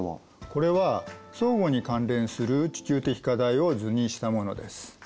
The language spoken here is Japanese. これは相互に関連する地球的課題を図にしたものです。